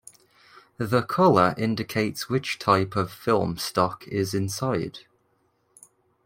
The color indicates which type of film stock is inside.